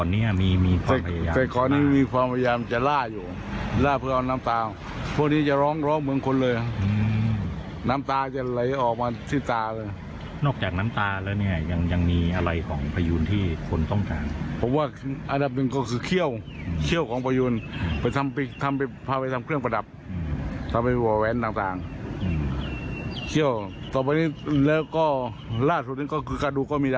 ในน้ำตาแล้วเนี่ยอย่างมีอะไรของพยูนที่คนต้องการ